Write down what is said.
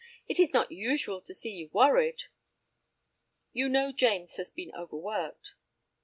It is not usual to see you worried." "You know James has been overworked."